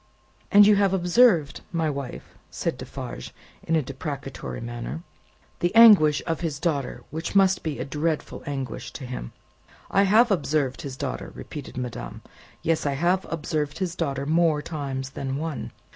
"And you have observed, my wife," said Defarge, in a deprecatory manner, "the anguish of his daughter, which must be a dreadful anguish to him!" "I have observed his daughter," repeated madame; "yes, I have observed his daughter, more times than one.